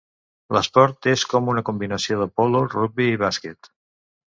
L'esport és com una combinació de polo, rugbi i bàsquet.